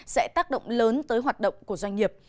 sẽ tác động lớn tới hoạt động của doanh nghiệp